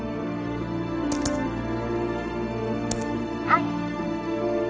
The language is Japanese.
はい